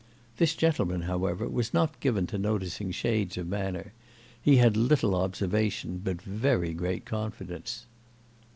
This gentleman, however, was not given to noticing shades of manner; he had little observation, but very great confidence.